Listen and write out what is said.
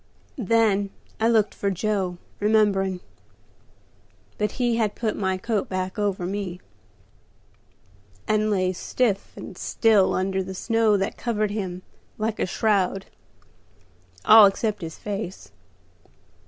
Then I looked for Joe, remembering; but he had put my coat back over me, and lay stiff and still under the snow that covered him like a shroud, all except his face.